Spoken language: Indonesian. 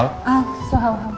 hal hal gimana kebakarannya